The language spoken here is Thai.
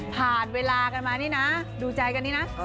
เวลากันมานี่นะดูใจกันนี่นะ